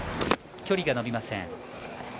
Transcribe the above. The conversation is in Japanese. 距離が伸びません。